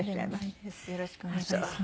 よろしくお願いします。